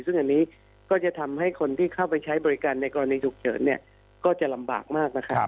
ซึ่งอันนี้ก็จะทำให้คนที่เข้าไปใช้บริการในกรณีฉุกเฉินเนี่ยก็จะลำบากมากนะครับ